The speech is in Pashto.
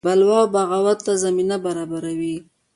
بلوا او بغاوت ته زمینه برابروي.